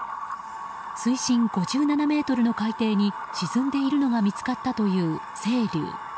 水深５７ｍの海底に沈んでいるのが見つかったという「せいりゅう」。